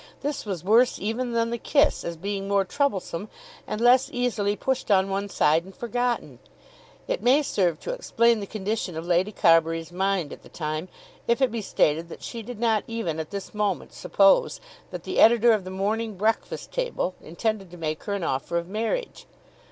This was worse even than the kiss, as being more troublesome and less easily pushed on one side and forgotten. It may serve to explain the condition of Lady Carbury's mind at the time if it be stated that she did not even at this moment suppose that the editor of the "Morning Breakfast Table" intended to make her an offer of marriage.